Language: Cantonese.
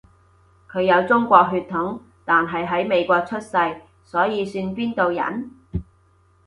佢有中國血統，但係喺美國出世，所以算邊度人？